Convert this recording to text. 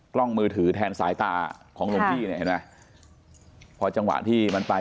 กล้องมือถือแทนสายตาของหลวงพี่เนี่ยเห็นไหมพอจังหวะที่มันไป